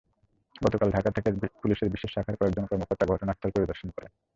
গতকাল ঢাকা থেকে পুলিশের বিশেষ শাখার কয়েকজন কর্মকর্তা ঘটনাস্থল পরিদর্শন করেন।